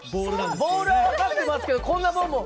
ボールは分かってますけどこんなボンボン。